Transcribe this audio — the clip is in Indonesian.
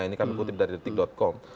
ini kami kutip dari detik com